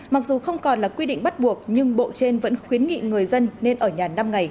mặc dù không còn là quy định bắt buộc nhưng bộ trên vẫn khuyến nghị người dân nên ở nhà năm ngày